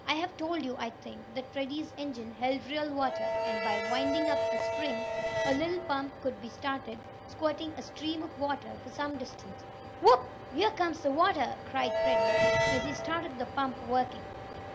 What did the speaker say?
I have told you, I think, that Freddie's engine held real water, and, by winding up a spring a little pump could be started, squirting a stream of water for some distance. "Whoop! Here comes the water!" cried Freddie, as he started the pump working.